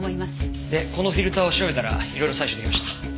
でこのフィルターを調べたら色々採取出来ました。